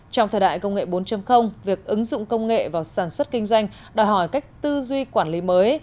trong thời đại công nghệ bốn việc ứng dụng công nghệ vào sản xuất kinh doanh đòi hỏi cách tư duy quản lý mới